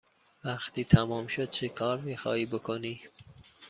وقتی تمام شد چکار می خواهی بکنی؟